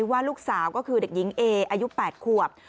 ว่าลูกสาวก็คือเด็กหญิงเออายุ๘ขวบ